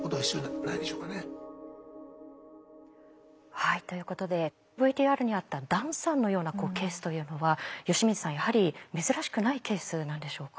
はいということでＶＴＲにあったダンさんのようなケースというのは吉水さんやはり珍しくないケースなんでしょうか？